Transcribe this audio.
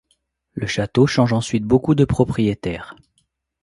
Le château change ensuite beaucoup de propriétaires.